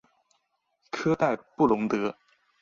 科代布龙德。